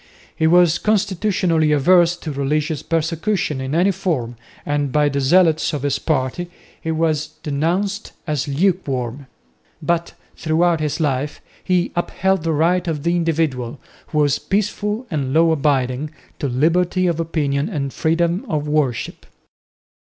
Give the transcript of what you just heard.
He was constitutionally averse to religious persecution in any form, and by the zealots of his party he was denounced as lukewarm; but throughout his life he upheld the right of the individual, who was peaceful and law abiding, to liberty of opinion and freedom of worship.